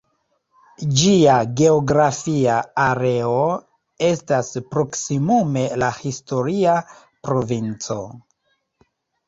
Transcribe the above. Ĝia geografia areo estas proksimume la historia provinco.